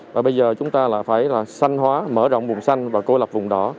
và bây giờ chúng ta lại phải là xanh hóa mở rộng vùng xanh và cô lập vùng đỏ